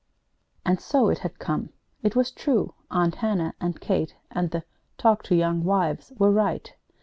And so it had come. It was true. Aunt Hannah and Kate and the "Talk to Young Wives" were right.